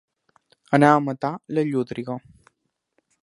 Anar a matar la llúdriga.